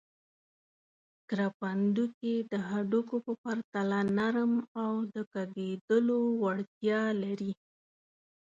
کرپندوکي د هډوکو په پرتله نرم او د کږېدلو وړتیا لري.